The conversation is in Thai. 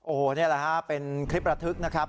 โอ้โหนี่แหละฮะเป็นคลิประทึกนะครับ